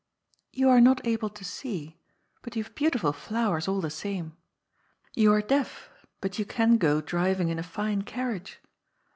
^^ You are not able to see, but you have beautiful flowers all the same. You are deaf, but you can go driving in a fine carriage."